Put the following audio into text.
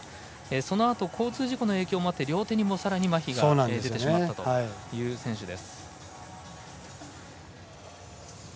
そのあと交通事故の影響もあって、両手にもまひが出てしまったという選手です。